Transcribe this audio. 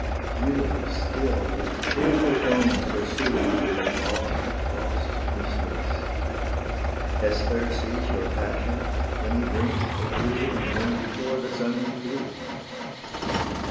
You still with tearful tones pursue Your lost, lost Mystes; Hesper sees Your passion when he brings the dew, And when before the sun he flees.